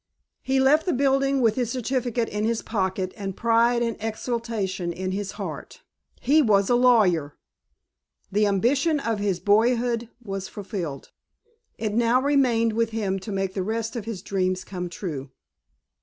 He left the building with his certificate in his pocket and pride and exultation in his heart. He was a lawyer! The ambition of his boyhood was fulfilled. It now remained with him to make the rest of his dreams come true.